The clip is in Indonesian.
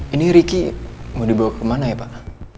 ini riki mau dibawa kemana ya pak